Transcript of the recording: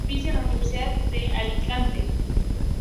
Da servicio a la Universidad de Alicante.